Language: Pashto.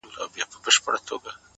لكه سپوږمۍ چي ترنده ونيسي ـ